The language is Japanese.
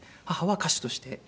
母は歌手として。